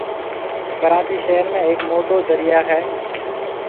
ڪراچِي شهر ۾ هيَڪ موٽو دريا هيَ۔